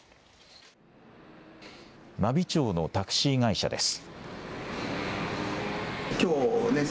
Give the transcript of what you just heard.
真備町のタクシー会社です。